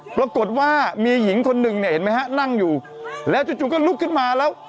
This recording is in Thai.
ปรากฏว่ามีหญิงคนหนึ่งนั่งอยู่แล้วจุดจุดก็ลุกขึ้นมาแล้ว